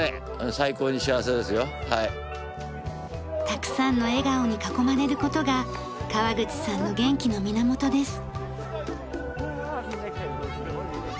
たくさんの笑顔に囲まれる事が川口さんの元気の源です。